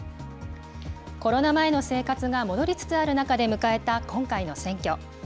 コロナ前の生活が戻りつつある中で迎えた今回の選挙。